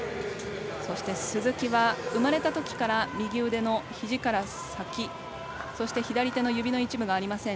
そして、鈴木は生まれたときから右腕のひじから先、そして左手の指の一部がありません。